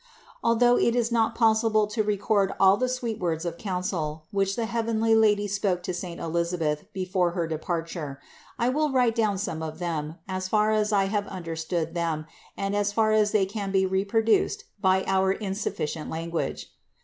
Although it is not possible to record all the sweet words of counsel, which the heavenly Lady spoke to saint Elisabeth before her departure, I will write down some of them, as far as I have understood them and as far as they can be reproduced by our insufficient language.